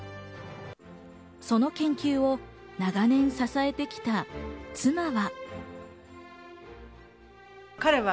その研究を長年支えてきた妻は。